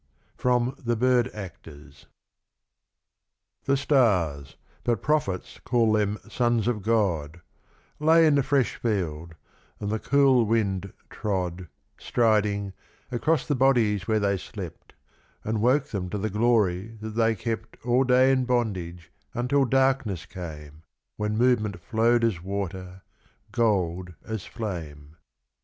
(From The Bird Actors.) THE stars, but prophets call them sons of God, Lay in the fresh field, and the cool wind trod, Striding, across the bodies where they slept And woke them to the glory that they kept All day in bondage until darkness came, When movement flowed as water, gold as flame.